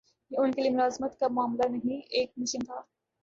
یہ ان کے لیے ملازمت کا معاملہ نہیں، ایک مشن تھا۔